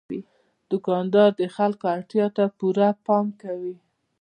دوکاندار د خلکو اړتیا ته پوره پام کوي.